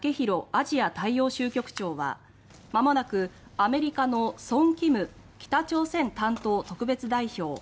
アジア大洋州局長はまもなく、アメリカのソンキム北朝鮮担当特別代表